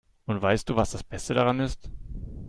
Und weißt du, was das Beste daran ist?